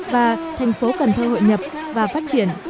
và thành phố cần thơ hội nhập và phát triển